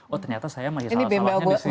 oh ternyata saya masih salah salahnya disini